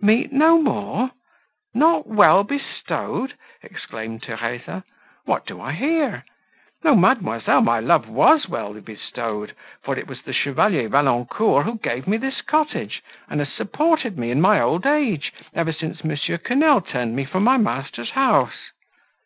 "Meet no more!—not well bestowed!" exclaimed Theresa. "What do I hear? No, mademoiselle, my love was well bestowed, for it was the Chevalier Valancourt, who gave me this cottage, and has supported me in my old age, ever since M. Quesnel turned me from my master's house."